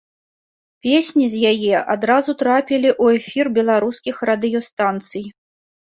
Песні з яе адразу трапілі у эфір беларускіх радыёстанцый.